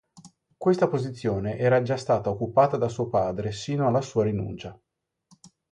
Questa posizione era già stata occupata da suo padre sino alla sua rinuncia.